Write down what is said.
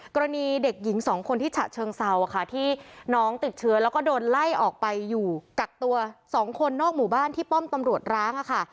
กรณีเด็กหญิงสองคนที่ฉะเชิงเซาค่ะที่น้องติดเชื้อแล้วก็โดนไล่ออกไปอยู่กักตัว๒คนนอกหมู่บ้านที่ป้อมตำรวจร้างค่ะ